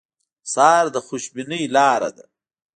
سهار د خوشبینۍ لاره ده.